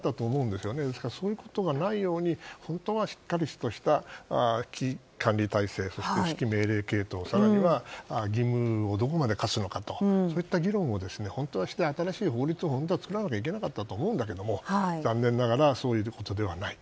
ですからそんなことがないように本当はしっかりとした危機管理体制、指揮命令系統更には義務をどこまで課すのかといったそういった議論を本当はして新しい法律を作らないといけなかったと思うけど残念ながらそういうことではない。